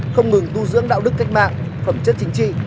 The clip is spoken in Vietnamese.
không ngừng tu dưỡng đạo đức cách mạng phẩm chất chính trị